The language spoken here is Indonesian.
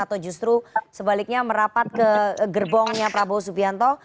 atau justru sebaliknya merapat ke gerbongnya prabowo subianto